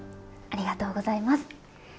ありがとうございます。